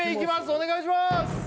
お願いします